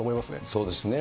そうですね。